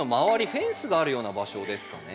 フェンスがあるような場所ですかね。